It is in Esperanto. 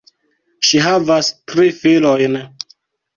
Ŝi havas tri filojn.